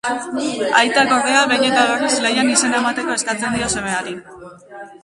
Aitak, ordea, behin eta berriz lehian izena emateko eskatzen dio semeari.